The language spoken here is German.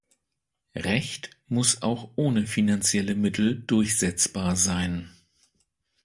Recht muss auch ohne finanzielle Mittel durchsetzbar sein.